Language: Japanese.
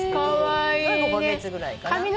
５カ月ぐらいかな。